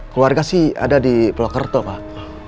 keluarga sih ada di pulau kerto pak